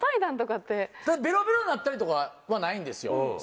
ベロベロになったりとかはないんですよ。